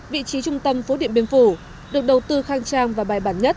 vị trí trung tâm phố điện biên phủ được đầu tư khang trang và bài bản nhất